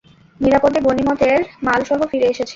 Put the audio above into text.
নিরাপদে গনীমতের মালসহ ফিরে এসেছেন।